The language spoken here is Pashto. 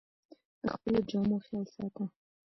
د خپلو جامو خیال ساته